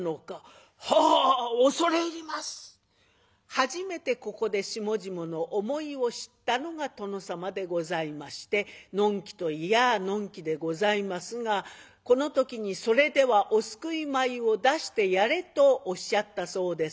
初めてここで下々の思いを知ったのが殿様でございましてのんきと言やあのんきでございますがこの時に「それではお救い米を出してやれ」とおっしゃったそうです。